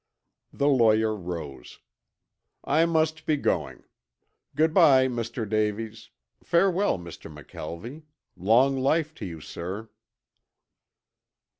The lawyer rose. "I must be going. Good by, Mr. Davies. Farewell, Mr. McKelvie. Long life to you, sir."